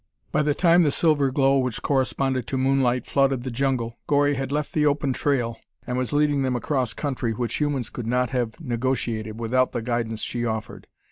By the time the silver glow which corresponded to moonlight flooded the jungle, Gori had left the open trail, and was leading them across country which humans could not have negotiated without the guidance she offered.